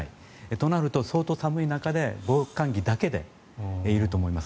となると、相当寒い中で防寒着だけでいると思います。